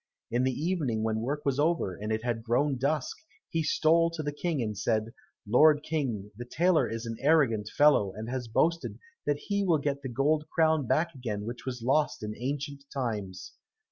In the evening when work was over and it had grown dusk, he stole to the King and said, "Lord King, the tailor is an arrogant fellow and has boasted that he will get the gold crown back again which was lost in ancient times."